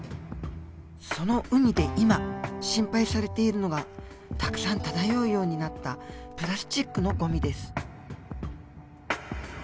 その海で今心配されているのがたくさん漂うようになったプラスチックのごみです。